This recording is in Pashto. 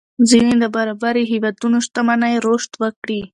ځينې نابرابرۍ هېوادونو شتمنۍ رشد وکړي.